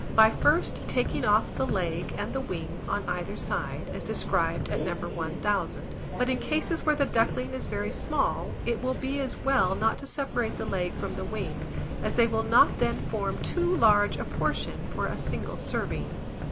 by first taking off the leg and the wing on either side, as described at No. 1000; but in cases where the duckling is very small, it will be as well not to separate the leg from the wing, as they will not then form too large a portion for a single serving.